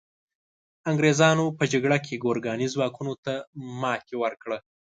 انګریزانو په جګړه کې ګورکاني ځواکونو ته ماتي ورکړه.